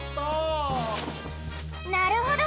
なるほど！